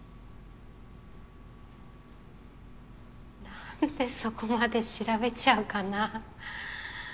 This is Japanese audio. なんでそこまで調べちゃうかな。